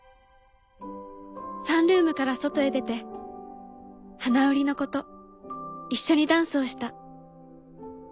サンルームから外へ出て花売りの子と一緒にダンスをした」。